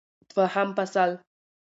دوهم فصل